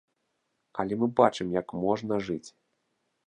Але мы бачым, як можна жыць.